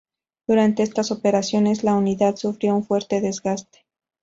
Durante estas operaciones la unidad sufrió un fuerte desgaste.